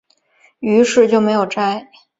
於是就没有摘